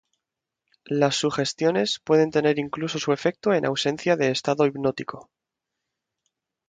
Las sugestiones, pueden tener incluso su efecto en ausencia de estado hipnótico.